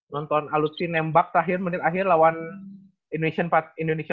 nonton alutri nembak terakhir menit akhir lawan indonesia patriots